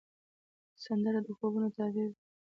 سندره د خوبونو تعبیر دی